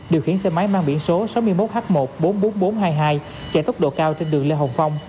điều khiển xe máy mang biển số sáu mươi một h một trăm bốn mươi bốn nghìn bốn trăm hai mươi hai chạy tốc độ cao trên đường lê hồng phong